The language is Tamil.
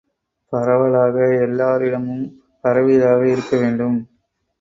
பரவலாக எல்லாரிடமும் பரவியதாக இருக்க வேண்டும்.